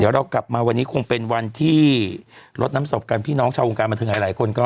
เดี๋ยวเรากลับมาวันนี้คงเป็นวันที่ลดน้ำศพกันพี่น้องชาววงการบันเทิงหลายคนก็